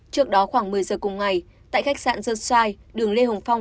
trước đó khoảng một mươi giờ cùng ngày tại khách sạn giơ sai đường lê hồng phong